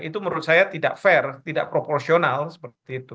itu menurut saya tidak fair tidak proporsional seperti itu